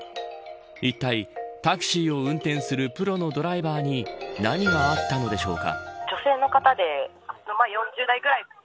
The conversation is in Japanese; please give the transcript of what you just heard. いったい、タクシーを運転するプロのドライバーに何があったのでしょうか。